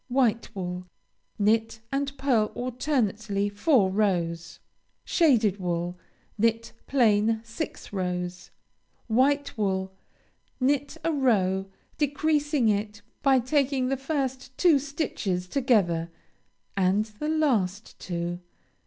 White wool Knit and pearl alternately four rows. Shaded wool Knit plain six rows. White wool Knit a row, decreasing it by taking the first two stitches together, and the last two.